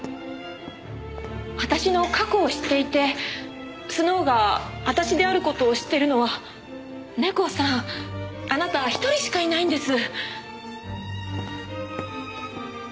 私の過去を知っていてスノウが私である事を知っているのはネコさんあなた一人しかいないんです。